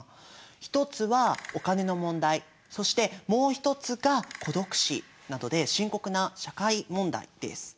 一つはお金の問題そしてもう一つが孤独死などで深刻な社会問題です。